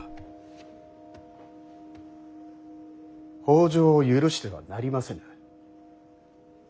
北条を許してはなりませぬ。